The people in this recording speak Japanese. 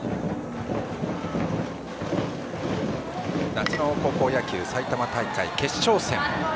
夏の高校野球埼玉大会決勝戦。